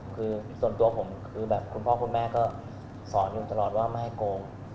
คือส่วนตัวผมคือแบบคุณพ่อคุณแม่ก็สอนอยู่ตลอดว่าไม่ให้โกง